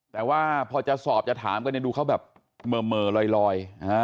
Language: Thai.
แต่ว่าพอจะสอบจะถามกันเนี่ยดูเขาแบบเหม่อลอย